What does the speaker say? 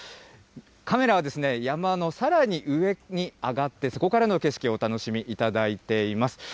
カメラは山のさらに上に上がって、そこからの景色をお楽しみいただいています。